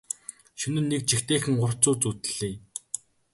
Шөнө нь нэг жигтэйхэн урт зүүд зүүдэллээ.